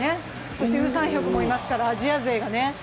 そしてウ・サンヒョクもいますから、アジア勢がね。